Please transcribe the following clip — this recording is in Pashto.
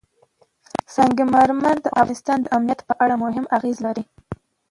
سنگ مرمر د افغانستان د امنیت په اړه هم اغېز لري.